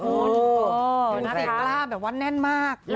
ดูสิ่งกล้ามแบบว่าแน่นมาก